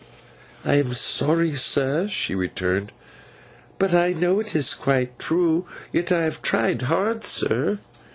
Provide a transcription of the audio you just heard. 'I am sorry, sir,' she returned; 'but I know it is quite true. Yet I have tried hard, sir.